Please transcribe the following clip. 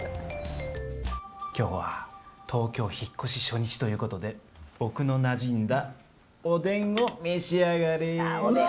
きょうは東京引っ越し初日ということで、僕のなじんだおでんを召し上がれ。